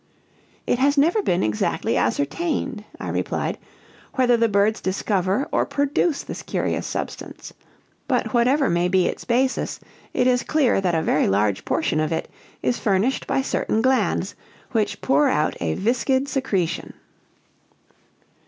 "It has never been exactly ascertained," I replied, "whether the birds discover or produce this curious substance. But whatever may be its basis, it is clear that a very large portion of it is furnished by certain glands, which pour out a viscid secretion."